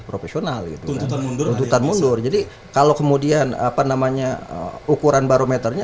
profesional itu tuntutan mundur tuntutan mundur jadi kalau kemudian apa namanya ukuran barometernya